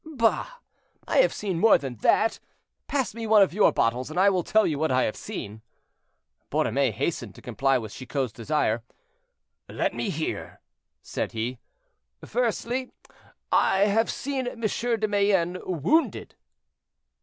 "Bah! I have seen more than that; pass me one of your bottles, and I will tell you what I have seen." Borromée hastened to comply with Chicot's desire. "Let me hear," said he. "Firstly, I have seen M. de Mayenne wounded."